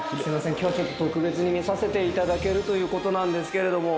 今日はちょっと特別に見させていただけるということなんですけれども。